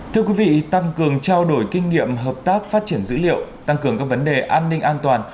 thưa quý vị tăng cường trao đổi kinh nghiệm hợp tác phát triển dữ liệu tăng cường các vấn đề an ninh an toàn